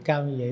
cao như vậy